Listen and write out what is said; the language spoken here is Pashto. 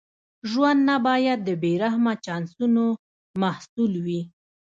ژوند نه باید د بې رحمه چانسونو محصول وي.